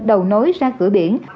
đầu nối ra cửa biển